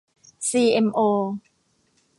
ซีเอ็มโอ